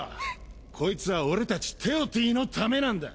こいつは俺たちテオティのためなんだ。